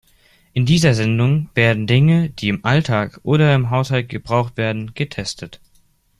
In dieser Sendung werden Dinge, die im Alltag oder im Haushalt gebraucht werden, getestet.